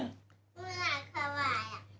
ฮี่ขวายอ่ะ